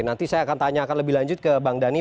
nanti saya akan tanyakan lebih lanjut ke bang dhani